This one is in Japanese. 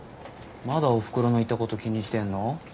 まだおふくろの言ったこと気にしてんの？